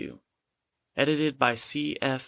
Edited by C.